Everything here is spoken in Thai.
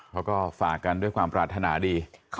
เขาก็ฝากกันด้วยความปรารถนาดี